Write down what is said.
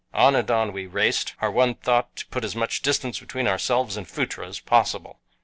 On and on we raced, our one thought to put as much distance between ourselves and Phutra as possible.